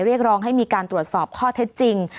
เรียกร้องให้มีการตรวจสอบข้อเท็จจริง